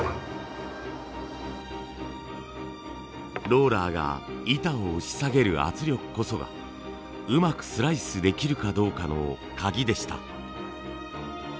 ローラーが板を押し下げる圧力こそがうまくスライスできるかどうかのカギでした。